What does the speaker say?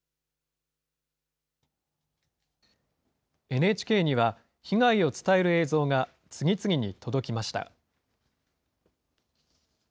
ＮＨＫには、被害を伝える映像が次々に届きました。